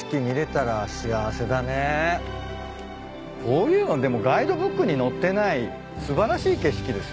こういうのでもガイドブックに載ってない素晴らしい景色ですよね。